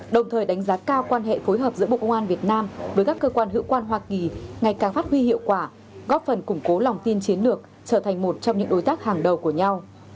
đồng thời đánh giá cao quan hệ phối hợp giữa bộ công an việt nam với các cơ quan hữu quan hoa kỳ ngày càng phát huy hiệu quả góp phần củng cố lòng tin chiến lược trở thành một trong những đối tác hàng đầu của nhau